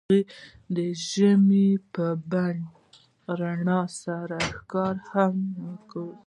هغوی د ژمنې په بڼه رڼا سره ښکاره هم کړه.